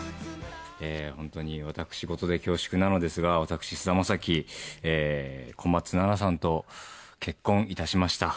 本当に私事で恐縮なのですが、私、菅田将暉、小松菜奈さんと結婚いたしました。